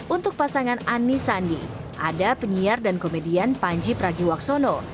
untuk pasangan anis sandi ada penyiar dan komedian panji pragiwaksono